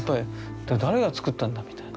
誰が作ったんだみたいな。